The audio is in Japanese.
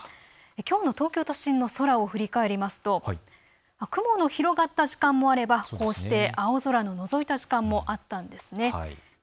きょうの東京都心の空を振り返りますと雲の広がった時間もあればこうして青空がのぞいた時間もありました。